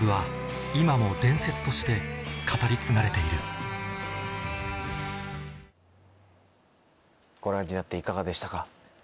今もご覧になっていかがでしたか？